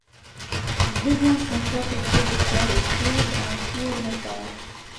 Il devient son propre producteur et tourne un court métrage.